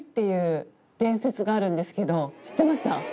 いう伝説があるんですけど知ってました？